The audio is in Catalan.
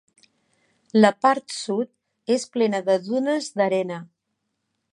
La part sud és plena de dunes d'arena.